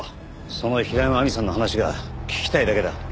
その平山亜美さんの話が聞きたいだけだ。